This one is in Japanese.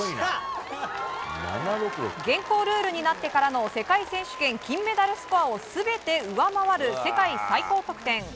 現行ルールになってからの世界選手権金メダルスコアを全て上回る世界最高得点。